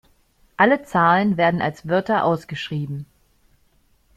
Alle Zahlen werden als Wörter ausgeschrieben.